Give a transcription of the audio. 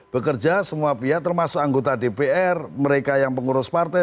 bekerja semua pihak termasuk anggota dpr mereka yang pengurus partai